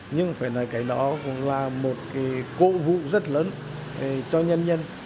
nhưng phải nói cái đó cũng là một cái cố vụ rất lớn cho nhân dân